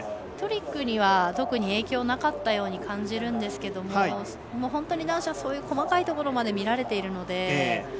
トリックには特に影響なかったように感じるんですけども本当に男子はそういう細かいところまで見られているので。